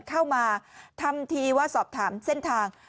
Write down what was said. เข้ามาทำทีว่าสอบถามเส้นทาง